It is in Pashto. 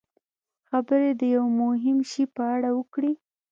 خبرې د یوه مهم شي په اړه وکړي.